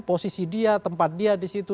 posisi dia tempat dia disitu